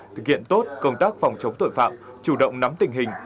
thực hiện tốt công tác phòng chống tội phạm chủ động nắm tình hình